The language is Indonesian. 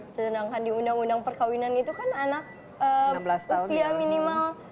sedangkan di undang undang perkawinan itu kan anak usia minimal